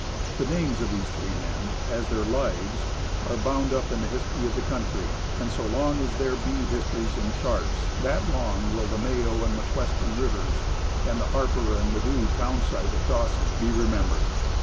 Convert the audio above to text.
The names of these three men, as their lives, are bound up in the history of the country, and so long as there be histories and charts, that long will the Mayo and McQuestion rivers and the Harper and Ladue town site of Dawson be remembered.